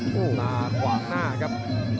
หนากว่างหน้าครับ